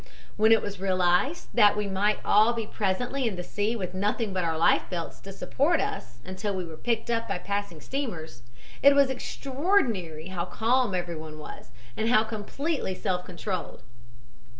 When it was realized that we might all be presently in the sea with nothing but our life belts to support us until we were picked up by passing steamers, it was extraordinary how calm everyone was and how completely self controlled.